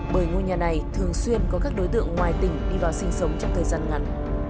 bởi ngôi nhà này thường xuyên có các đối tượng ngoài tỉnh đi vào sinh sống trong thời gian ngắn